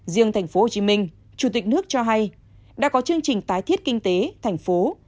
riêng tp hcm chủ tịch nước cho hay đã có chương trình tái thiết kinh tế thành phố